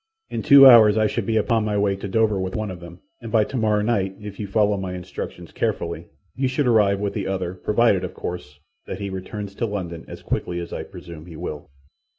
"In two hours I should be upon my way to Dover with one of them, and by tomorrow night, if you follow my instructions carefully, you should arrive with the other, provided, of course, that he returns to London as quickly as I presume he will.